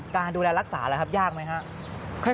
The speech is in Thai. การดูแลรักษานะครับยากไหมครับ